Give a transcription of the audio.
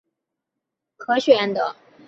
关于参数类型的声明是可选的。